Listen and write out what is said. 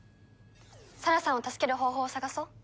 沙羅さんを助ける方法を探そう。